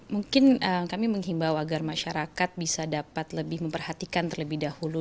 mungkin kami menghimbau agar masyarakat bisa dapat lebih memperhatikan terlebih dahulu